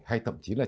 hay thậm chí là